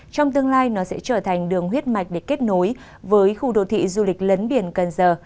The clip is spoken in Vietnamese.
trong tương lai nó sẽ trở thành đường huyết mạch để kết nối với khu đô thị du lịch lấn biển cần giờ